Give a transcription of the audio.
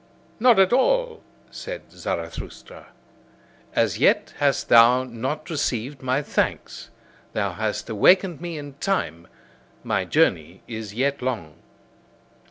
"Not at all," said Zarathustra, "as yet hast thou not received my thanks! Thou hast awakened me in time; my journey is yet long."